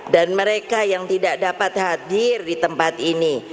dan mereka yang tidak dapat hadir di tempat ini